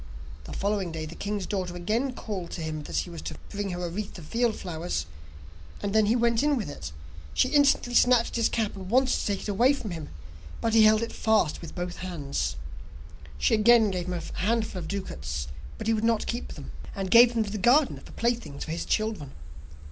The following day the king's daughter again called to him that he was to bring her a wreath of field flowers, and then he went in with it, she instantly snatched at his cap, and wanted to take it away from him, but he held it fast with both hands. She again gave him a handful of ducats, but he would not keep them, and gave them to the gardener for playthings for his children.